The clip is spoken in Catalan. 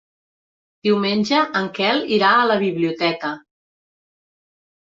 Diumenge en Quel irà a la biblioteca.